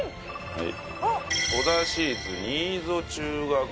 はい！